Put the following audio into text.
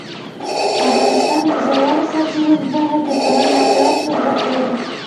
افغانستان د ژورو سرچینو په برخه کې پوره نړیوال شهرت لري.